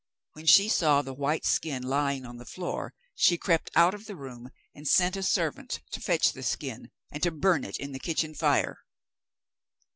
When she saw the white skin lying on the floor, she crept out of the room, and sent a servant to fetch the skin and to burn it in the kitchen fire.